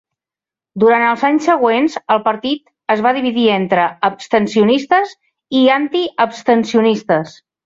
Durant els anys següents, el partit es va dividir entre abstencionistes i antiabstencionistes.